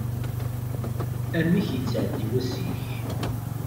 Amek yettεeddi wass-ik?